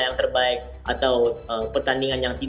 dan mereka akan lebih baik